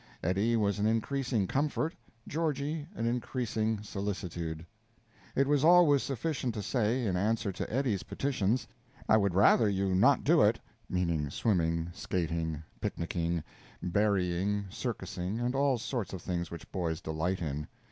Eddie was an increasing comfort, Georgie an increasing solicitude. It was always sufficient to say, in answer to Eddie's petitions, "I would rather you would not do it" meaning swimming, skating, picnicking, berrying, circusing, and all sorts of things which boys delight in.